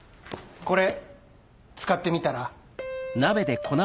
これ使ってみたら？